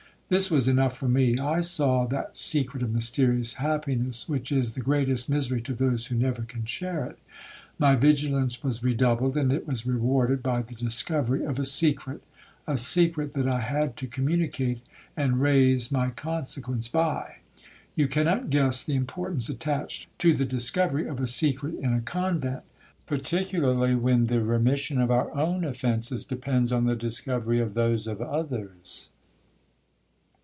This was enough for me. I saw that secret of mysterious happiness, which is the greatest misery to those who never can share it. My vigilance was redoubled, and it was rewarded by the discovery of a secret—a secret that I had to communicate and raise my consequence by. You cannot guess the importance attached to the discovery of a secret in a convent, (particularly when the remission of our own offences depends on the discovery of those of others.)